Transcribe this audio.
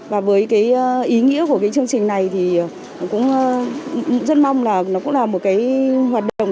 và với ý nghĩa của chương trình này thì cũng rất mong là nó cũng là một hoạt động